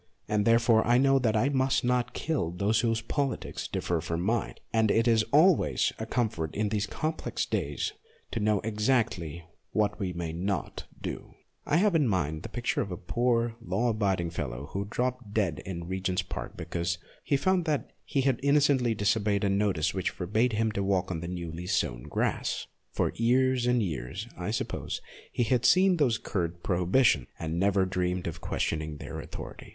And therefore I know that I must not kill those whose politics differ from mine ; and it is always a comfort in these complex days to know exactly what we may not do. I have in my mind the picture of a poor, law abiding fellow who dropped dead in Regent's Park because he found that he had innocently disobeyed a notice which forbade him to walk on the newly sown grass. For years and years, I suppose, he had seen those curt prohibitions, and never dreamed of questioning their authority.